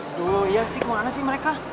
aduh iya sih kemana sih mereka